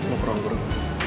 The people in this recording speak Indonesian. gue mau perang burung